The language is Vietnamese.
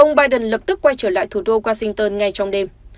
ông biden lập tức quay trở lại thủ đô washington ngay trong đêm